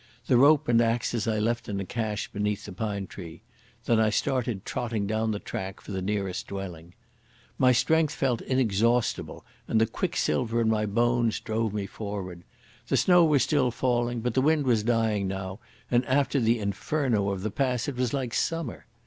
The rope and axes I left in a cache beneath the pine tree. Then I started trotting down the track for the nearest dwelling. My strength felt inexhaustible and the quicksilver in my bones drove me forward. The snow was still falling, but the wind was dying down, and after the inferno of the pass it was like summer.